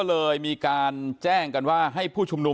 สวัสดีคุณผู้ชมครับสวัสดีคุณผู้ชมครับ